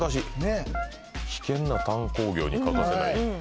危険な炭鉱業に欠かせない。